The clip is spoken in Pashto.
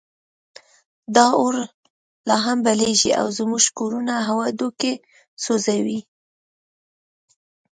دا اور لا هم بلېږي او زموږ کورونه او هډوکي سوځوي.